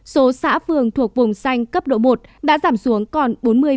số xã phường thuộc vùng xanh cấp độ một đã giảm xuống còn bốn mươi